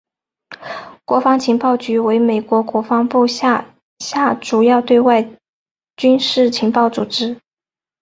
国防情报局为美国国防部辖下主要对外军事情报组织。